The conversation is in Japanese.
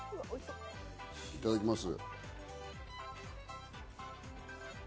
いただきます。